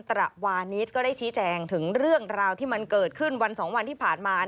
ท่านรองค่ะครับ